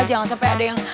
jangan sampai ada yang